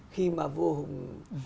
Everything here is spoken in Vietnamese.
khi mà vua hùng